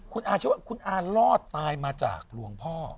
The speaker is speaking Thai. คุณอาช่วยรอดตายมาจากหลวงพ่อ